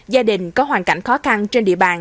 gia đình có hoàn cảnh khó khăn trên địa bàn